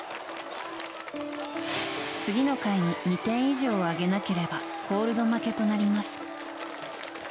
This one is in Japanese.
次の回に２点以上を挙げなければコールド負けとなります。